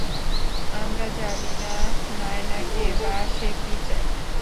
আমরা জানি না নায়না কে বা সে কী চায়।